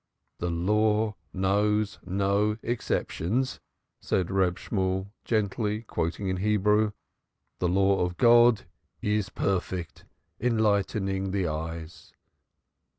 "The Law knows no exceptions," said Reb Shemuel gently, quoting in Hebrew, "'The Law of God is perfect, enlightening the eyes.'